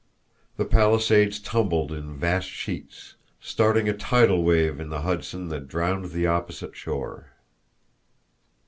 The Palisades tumbled in vast sheets, starting a tidal wave in the Hudson that drowned the opposite shore.